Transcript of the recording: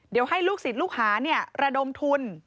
เดี๋ยวให้ลูกศิษย์ลูกหาระดมทุน